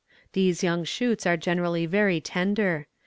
These young shoots are generally very tender.